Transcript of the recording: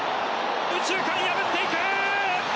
右中間を破っていく！